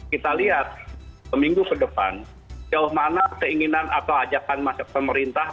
kita lihat seminggu ke depan jauh mana keinginan atau ajakan pemerintah